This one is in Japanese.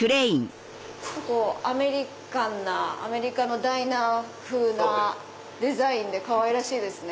アメリカのダイナー風なデザインでかわいらしいですね。